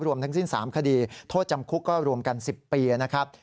ทั้งสิ้น๓คดีโทษจำคุกก็รวมกัน๑๐ปีนะครับ